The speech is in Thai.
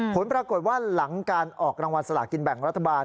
ผลปรากฏว่าหลังการออกรางวัลสลากินแบ่งรัฐบาล